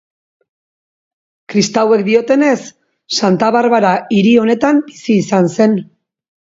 Kristauek diotenez, Santa Barbara hiri honetan bizi izan zen.